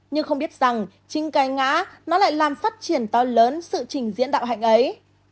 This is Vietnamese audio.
nhưng không biết rằng chính cái ngã nó lại làm phát triển to lớn sự trình diễn đạo hạnh ấy